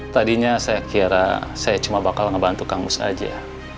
tadinya saya kira saya cuma bakal ngebantu kang mus aja